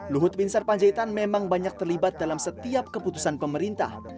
luhut bin sarpanjaitan memang banyak terlibat dalam setiap keputusan pemerintah